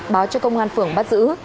báo cho công an phường bắt giữ